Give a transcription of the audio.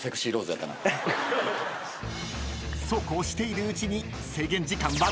［そうこうしているうちに］